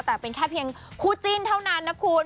แต่เป็นแค่เพียงคู่จิ้นเท่านั้นนะคุณ